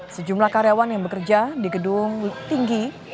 sejumlah karyawan yang bekerja di gedung tinggi